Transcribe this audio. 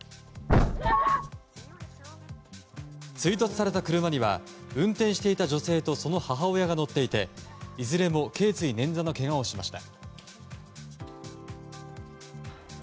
追突された車には運転していた女性とその母親が乗っていていずれも頸椎捻挫のけがをしました。